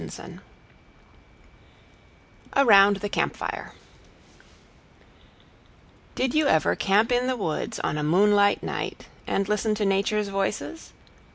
Around the Camp Fire Did you ever camp in the woods on a moonlight night and listen to nature's voices?